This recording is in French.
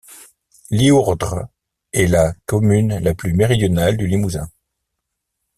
Liourdres est la commune la plus méridionale du Limousin.